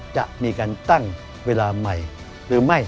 จะมีการตั้งเวลาใหม่หรือไม่